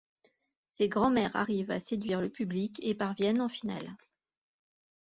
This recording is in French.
Ces grands-mères arrivent à séduire le public et parviennent en finale.